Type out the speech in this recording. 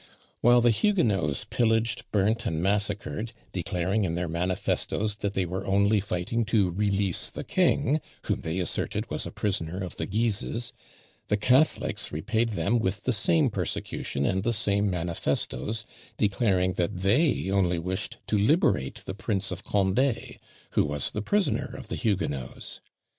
While the Huguenots pillaged, burnt, and massacred, declaring in their manifestoes that they were only fighting to release the king, whom they asserted was a prisoner of the Guises, the Catholics repaid them with the same persecution and the same manifestoes, declaring that they only wished to liberate the Prince of Condé, who was the prisoner of the Huguenots.